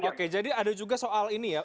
oke jadi ada juga soal ini ya